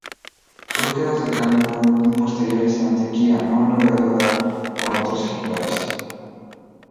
Búsquedas de campo posteriores en Antioquia no han logrado dar con otros ejemplares.